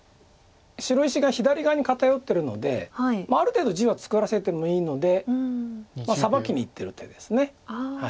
白石が左側に片寄ってるのである程度地は作らせてもいいのでサバキにいってる手です。